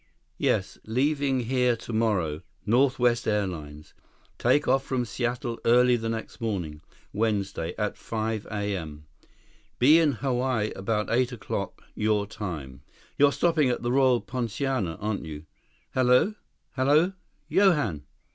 Yes, leaving here tomorrow ... Northwest Airlines.... Take off from Seattle early the next morning, Wednesday, at five A.M. Be in Hawaii about eight o'clock your time.... You're stopping at the Royal Poinciana, aren't you?... Hello ... hello ... Johann?"